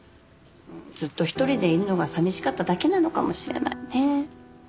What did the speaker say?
ずっと一人でいるのが寂しかっただけなのかもしれないね。